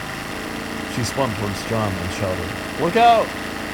She spun towards John and shouted, "Look Out!"